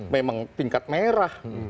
memang tingkat merah